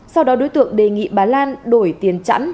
sau đó đối tượng đề nghị bà lan đổi tiền chặn